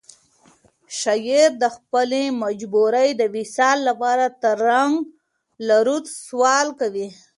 شاعر د خپلې محبوبې د وصال لپاره د ترنګ له روده سوال کوي.